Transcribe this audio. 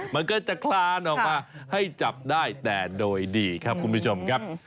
มันก็จะคลานออกมาให้จับได้แต่โดยดีครับคุณผู้ชมครับ